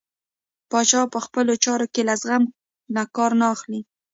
پاچا په خپلو چارو کې له زغم نه کار نه اخلي .